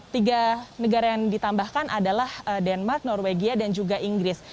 tiga negara yang ditambahkan adalah denmark norwegia dan juga inggris